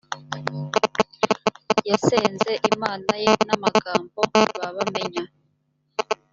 yasenze imana ye n amagambo ba bamenya